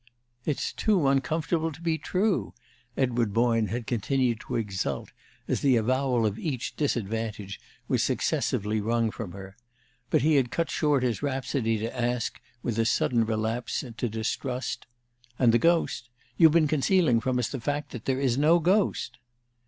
"It's too uncomfortable to be true!" Edward Boyne had continued to exult as the avowal of each disadvantage was successively wrung from her; but he had cut short his rhapsody to ask, with a sudden relapse to distrust: "And the ghost? You've been concealing from us the fact that there is no ghost!"